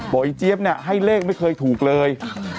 ไอ้เจี๊ยบเนี่ยให้เลขไม่เคยถูกเลย